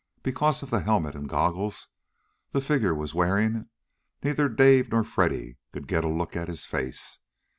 Because of the helmet and goggles the figure was wearing neither Dave nor Freddy could get a look at his face.